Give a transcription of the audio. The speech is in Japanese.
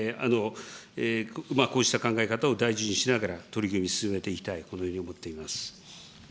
こうした考え方を大事にしながら、取り組み、進めていきたい、このように思っています。